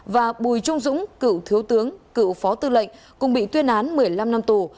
và bùi trung dũng cựu thiếu tướng cựu phó tư lệnh cùng bị tuyên án một mươi năm năm tù